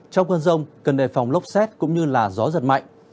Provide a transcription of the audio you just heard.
trong mưa rông cần đề phòng lốc xét cũng như là gió giật mạnh